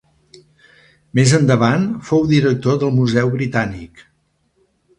Més endavant fou director del Museu Britànic.